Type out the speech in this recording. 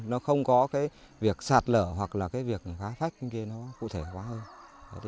nó không có việc sạt lở hoặc là việc khá phách nó cụ thể quá hơn